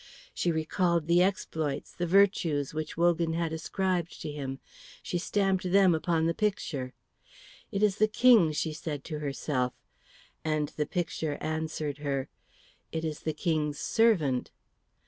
She recalled the exploits, the virtues, which Wogan had ascribed to him; she stamped them upon the picture. "It is the King," she said to herself; and the picture answered her, "It is the King's servant."